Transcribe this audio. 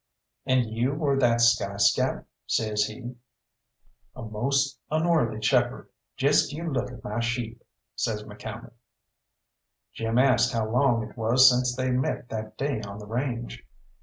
"And you were that sky scout?" says he. "A most unworthy shepherd! Jest you look at my sheep," says McCalmont. Jim asked how long it was since they met that day on the range.